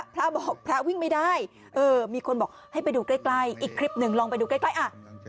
พระบอกพระวิ่งไม่ได้เออมีคนบอกให้ไปดูใกล้ใกล้อีกคลิปหนึ่งลองไปดูใกล้ใกล้อ่ะ